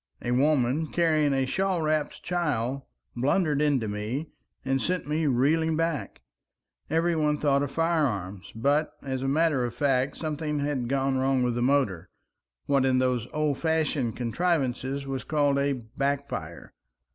A woman, carrying a shawl wrapped child, blundered into me, and sent me reeling back. Every one thought of firearms, but, as a matter of fact, something had gone wrong with the motor, what in those old fashioned contrivances was called a backfire.